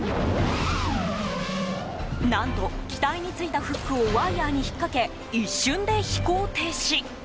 何と機体についたフックをワイヤに引っ掛け一瞬で飛行停止。